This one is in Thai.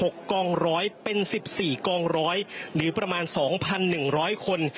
๖กองร้อยเป็น๑๔กองร้อยหรือประมาณ๒๑๐๐คน